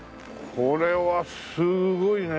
これはすごいね。